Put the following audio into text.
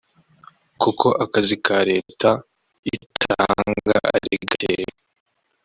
kuko akazi ka Leta itanga ari gakeya